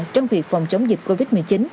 trong việc phòng chống dịch covid một mươi chín